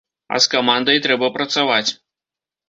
А з камандай трэба працаваць.